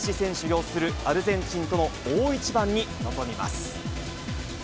擁するアルゼンチンとの大一番に臨みます。